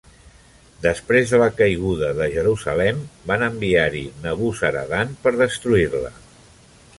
Després de la caiguda de Jerusalem, van enviar-hi Nebuzaradan per destruir-la.